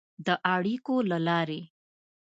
د اړیکو له لارې